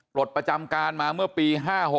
ปลดประจำการมาเมื่อปี๕๖